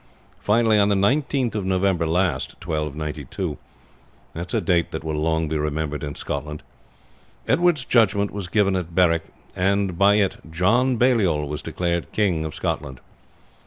Finally, on the 17th of November last, 1292 the date will long be remembered in Scotland Edward's judgment was given at Berwick, and by it John Baliol was declared King of Scotland.